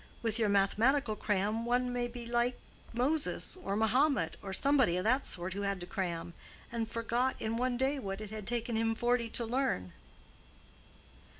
With your mathematical cram one may be like Moses or Mohammed or somebody of that sort who had to cram, and forgot in one day what it had taken him forty to learn."